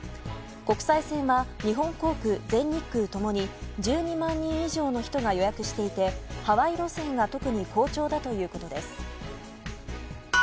国際線は日本航空、全日空ともに１２万人以上の人が予約していてハワイ路線が特に好調だということです。